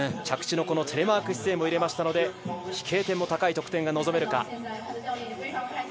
着地のテレマーク姿勢も入れましたので、飛型点も高い得点が望めるか。